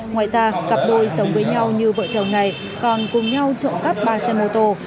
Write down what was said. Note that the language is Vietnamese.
ngoài ra cặp đôi sống với nhau như vợ chồng này còn cùng nhau trộm cắp ba xe mô tô